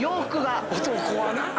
男はな。